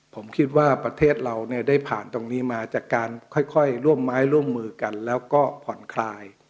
ผมคิดว่าประเทศเราเนี่ยได้ผ่านตรงนี้มาจากการค่อยร่วมไม้ร่วมมือกันแล้วก็ผ่อนคลาย